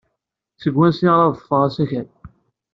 Seg wansi ara ḍḍfeɣ asakal?